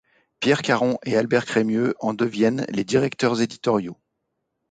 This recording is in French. Pierre Caron et Albert Crémieux en deviennent les directeurs éditoriaux.